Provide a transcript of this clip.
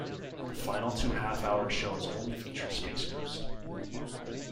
The final two half-hour shows only feature Space Ghost.